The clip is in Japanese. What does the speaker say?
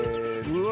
うわ。